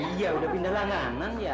iya udah pindah langanan ya